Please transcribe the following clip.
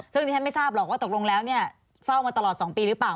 ซึ่งดิฉันไม่ทราบหรอกว่าตกลงแล้วเนี่ยเฝ้ามาตลอด๒ปีหรือเปล่า